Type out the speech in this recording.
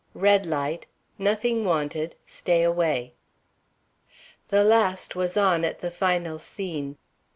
Red light Nothing wanted; stay away. The last was on at the final scene.